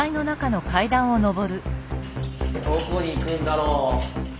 どこに行くんだろう。